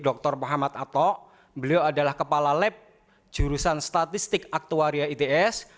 dr muhammad atok beliau adalah kepala lab jurusan statistik aktuaria its